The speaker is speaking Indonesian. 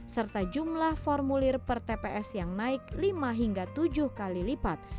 serta jumlah formulir per tps yang naik lima hingga tujuh kali lipat